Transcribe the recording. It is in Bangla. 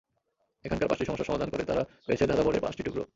এখানকার পাঁচটি সমস্যার সমাধান করে তারা পেয়েছে ধাঁধা বোর্ডের পাঁচটি টুকরো।